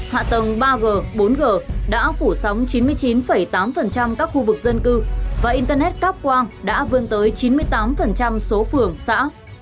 hạ tầng ba g bốn g đã phủ sóng chín mươi chín tám các khu vực dân cư và internet cáp quang đã vươn tới chín mươi tám số phường xã